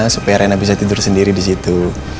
supaya rena bisa tidur sendiri di situ